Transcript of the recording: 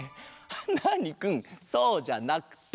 ナーニくんそうじゃなくて。